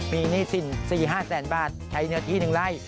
มีหนี้สิน๔๕แสนบาทใช้เนื้อที่๑ไร่